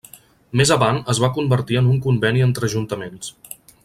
Més avant es va convertir en un conveni entre ajuntaments.